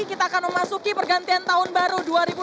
kita akan memasuki pergantian tahun baru dua ribu dua puluh